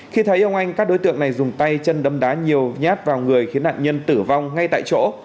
khi thấy ông anh các đối tượng này dùng tay chân đâm đá nhiều nhát vào người khiến nạn nhân tử vong ngay tại chỗ